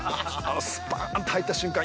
スパーンと入った瞬間